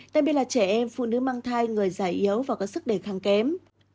tại vì là trẻ em phụ nữ mang thai người già yếu và có sức đề kháng kém